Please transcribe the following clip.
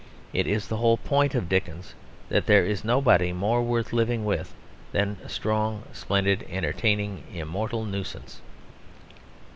It is the whole point of Dickens that there is nobody more worth living with than a strong, splendid, entertaining, immortal nuisance.